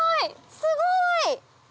すごい！